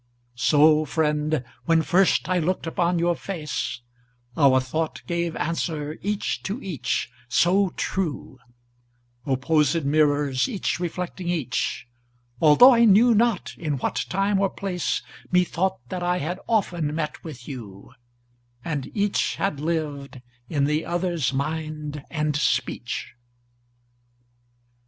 So, friend, when first I look'd upon your face, Our thought gave answer each to each, so true— Opposed mirrors each reflecting each— Altho' I knew not in what time or place, Methought that I had often met with you, And each had lived in the other's mind and speech.